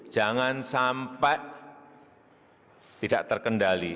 jangan sampai tidak terkendali